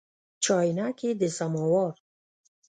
چاینکي د سماوار